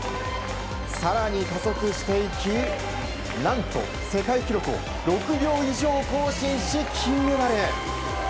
更に加速していき何と世界記録を６秒以上更新し金メダル。